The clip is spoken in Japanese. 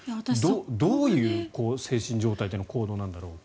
どういう精神状態での行動なんだろうと。